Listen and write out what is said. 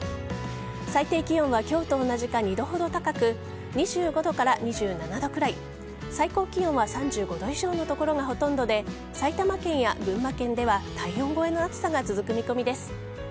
最低気温は今日と同じか２度ほど高く２５度から２７度くらい最高気温は３５度以上の所がほとんどで埼玉県や群馬県では体温超えの暑さが続く見込みです。